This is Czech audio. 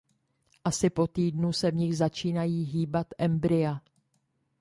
Asi po týdnu se v nich začínají hýbat embrya.